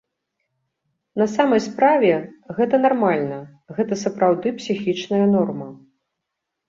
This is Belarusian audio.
На самай справе, гэта нармальна, гэта сапраўды псіхічная норма.